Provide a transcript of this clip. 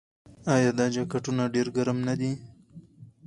آیا دا جاکټونه ډیر ګرم نه دي؟